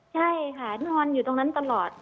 ใช่ค่ะนอนอยู่ตรงนั้นตลอดค่ะ